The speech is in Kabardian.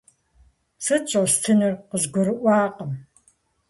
Сыт щӀостынур, къызгурыӏуакъым?